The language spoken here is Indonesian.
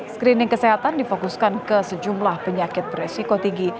screening kesehatan difokuskan ke sejumlah penyakit beresiko tinggi